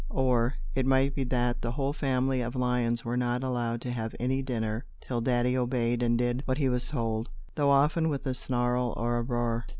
Or, it might be that the whole family of lions were not allowed to have any dinner till Daddy obeyed and did what he was told, though often with a snarl or a roar.